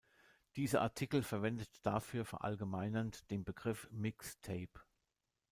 Dieser Artikel verwendet dafür verallgemeinernd den Begriff Mixtape.